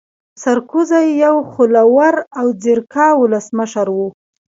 سرکوزی يو خوله ور او ځيرکا ولسمشر وو